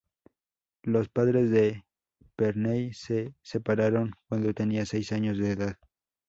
Los padres de Parnell se separaron cuando tenía seis años de edad.